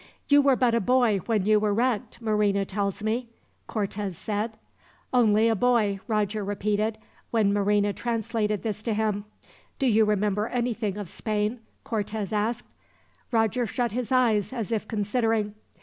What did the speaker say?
"You were but a boy when you were wrecked, Marina tells me?" Cortez said. "Only a boy," Roger repeated, when Marina translated this to him. "Do you remember anything of Spain?" Cortez asked. Roger shut his eyes, as if considering.